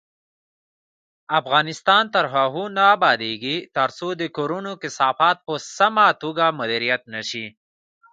افغانستان تر هغو نه ابادیږي، ترڅو د کورونو کثافات په سمه توګه مدیریت نشي.